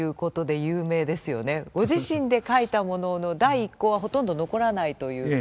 ご自身で書いたものの第１稿はほとんど残らないという。